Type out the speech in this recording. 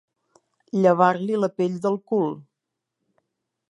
Llevar-li la pell del cul.